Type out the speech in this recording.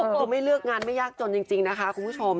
เออไม่เลือกงานไม่ยากจนจริงนะคะคุณผู้ชม